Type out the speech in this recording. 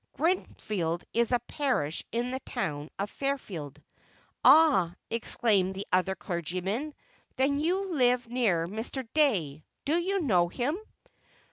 (Greenfield is a parish in the town of Fairfield.) "Ah," exclaimed the other clergyman; "then you live near Mr. Dey: do you know him?"